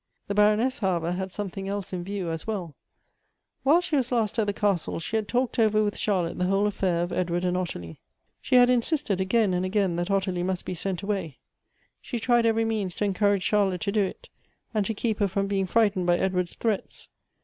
The Baroness, however, had something else in view as 222 Goethe's well. While she was last at the castle, she had talked over with Charlotte the whole affair of Edwai d and Ottilie. She had insisted again and again that Ortilie must be sent away. She tried every means to encourage Charlotte to do it, and to keep her from being frightened by Edward's threats.